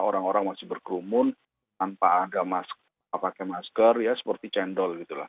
orang orang masih berkerumun tanpa ada masker seperti cendol